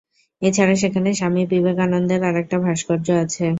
এছাড়া সেখানে স্বামী বিবেকানন্দের আরেকটা ভাস্কর্য আছে।